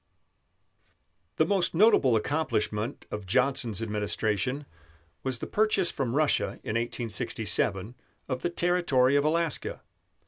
The most notable accomplishment of Johnson's administration was the purchase from Russia in 1867 of the territory of Alaska.